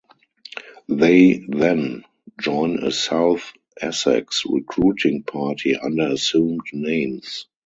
They then join a South Essex recruiting party under assumed names.